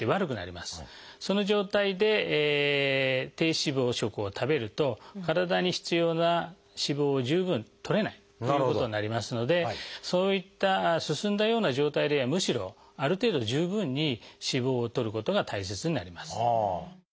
その状態で低脂肪食を食べると体に必要な脂肪を十分とれないということになりますのでそういった進んだような状態ではむしろある程度十分に脂肪をとることが大切になります。